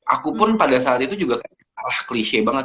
aku pun pada saat itu juga kayak salah cliché banget